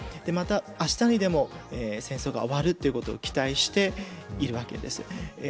また、あしたにでも戦争が終わるということを期待しているわけです。